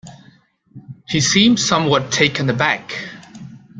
He seemed somewhat taken aback.